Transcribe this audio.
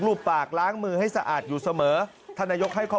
ลูปปากร้างมือให้สะอาดอยู่เสมอขณะยก